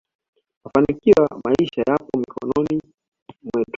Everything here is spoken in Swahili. mafanikio ya maisha yapo mikono mwetu